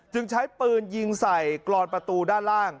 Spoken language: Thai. ใช้ปืนยิงใส่กรอนประตูด้านล่าง